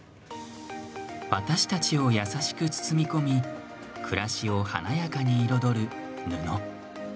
私たちを優しく包み込み暮らしを華やかに彩る布。